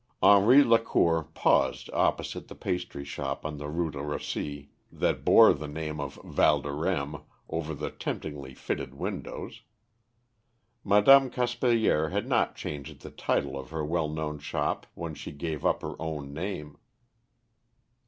Henri Lacour paused opposite the pastry shop on the Rue de Russie that bore the name of "Valdorême" over the temptingly filled windows. Madame Caspilier had not changed the title of her well known shop when she gave up her own name.